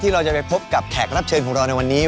เราจะไปพบกับแขกรับเชิญของเราในวันนี้